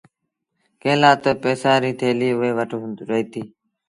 ڪݩهݩ لآ تا پئيسآݩ ريٚ ٿيليٚ اُئي وٽ رهيتي۔